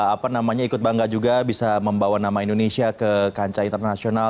apa namanya ikut bangga juga bisa membawa nama indonesia ke kancah internasional